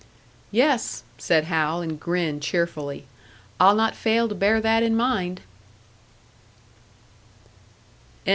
"Yes," said Hal, and grinned cheerfully. "I'll not fail to bear that in mind."